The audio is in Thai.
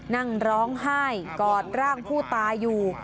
นั่งร้องไห้กอดร่างผู้ตายอยู่